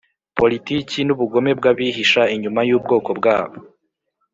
politiki n'ubugome bw'abihisha inyuma y'ubwoko bwabo,